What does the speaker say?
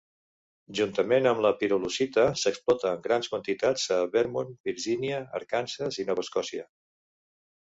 Juntament amb la pirolusita, s'explota en grans quantitats a Vermont, Virginia, Arkansas i Nova Escòcia.